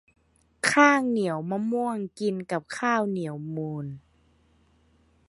ข้างเหนียวมะม่วง กินกับข้าวเหนียวมูน